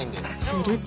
［すると］